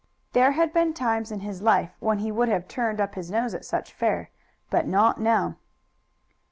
There had been times in his life when he would have turned up his nose at such fare, but not now.